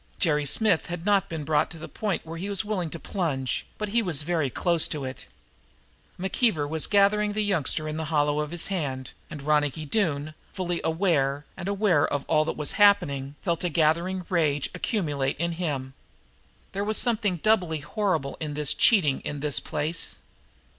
Jerry Smith had not been brought to the point where he was willing to plunge, but he was very close to it. McKeever was gathering the youngster in the hollow of his hand, and Ronicky Doone, fully awake and aware of all that was happening, felt a gathering rage accumulate in him. There was something doubly horrible in this cheating in this place.